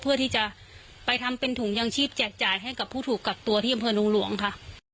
เพื่อที่จะไปทำเป็นถุงยังชีพแจกจ่ายให้กับผู้ถูกกักตัวที่อำเภอลุงหลวงค่ะ